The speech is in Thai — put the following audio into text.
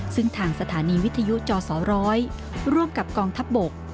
ซึ่งทางสถานีวิทยุจสร้อยร่วมกับกองทัพบก